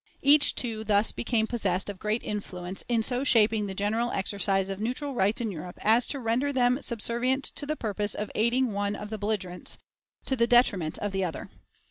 Each, too, thus became possessed of great influence in so shaping the general exercise of neutral rights in Europe as to render them subservient to the purpose of aiding one of the belligerents, to the detriment of the other.